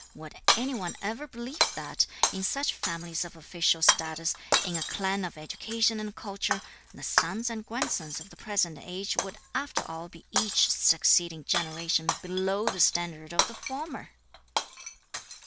Would any one ever believe that in such families of official status, in a clan of education and culture, the sons and grandsons of the present age would after all be each (succeeding) generation below the standard of the former?"